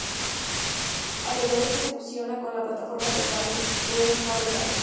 Hacia el oeste se fusiona con la plataforma de Barents del mar de Barents.